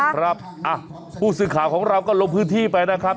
ครับผู้สื่อข่าวของเราก็ลงพื้นที่ไปนะครับ